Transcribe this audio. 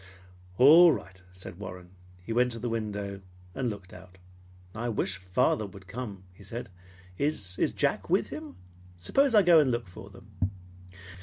"All right," said Warren. He went to the window and looked out. "I wish father would come," he said. "Is Jack with him? Suppose I go and look for them?"